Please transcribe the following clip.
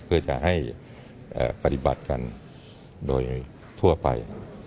เพื่อจะให้ปฏิบัติกันโดยทั่วไป